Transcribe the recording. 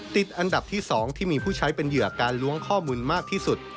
ติดอันดับที่๒ที่มีผู้ใช้เป็นเหยื่อการล้วงข้อมูลมากที่สุด